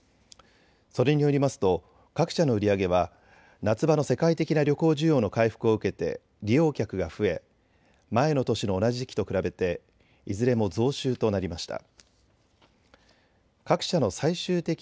それによりますと各社の売り上げは夏場の世界的な旅行需要の回復を受けて利用客が増え前の年の同じ時期と比べていずれも増収となりました。